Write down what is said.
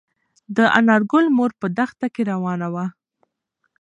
د انارګل مور په دښته کې روانه وه.